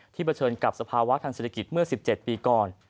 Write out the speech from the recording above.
เผชิญกับสภาวะทางเศรษฐกิจเมื่อ๑๗ปีก่อน